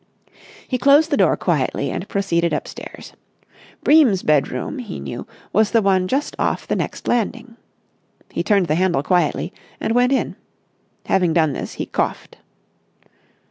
He closed the door quietly, and proceeded upstairs. Bream's bedroom, he knew, was the one just off the next landing. He turned the handle quietly, and went in. Having done this, he coughed.